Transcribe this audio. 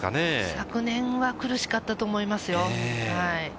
昨年は苦しかったと思います